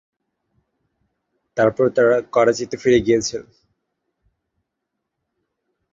তারপর তাঁরা করাচিতে ফিরে গিয়েছিলেন।